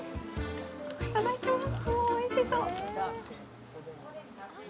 いただきます。